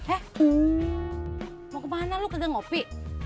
eh mau ke mana lo kegengopi